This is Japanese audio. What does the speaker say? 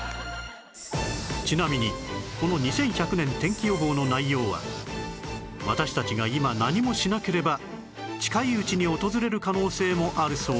ちなみにこの２１００年天気予報の内容は私たちが今何もしなければ近いうちに訪れる可能性もあるそうです